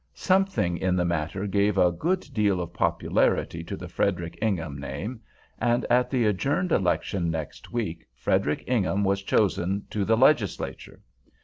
Something in the matter gave a good deal of popularity to the Frederic Ingham name; and at the adjourned election, next week, Frederic Ingham was chosen to the legislature.